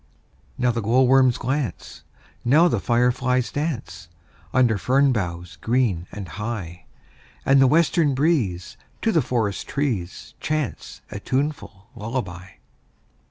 Now the glowworms glance, Now the fireflies dance, Under fern boughs green and high; And the western breeze To the forest trees Chants a tuneful lullaby.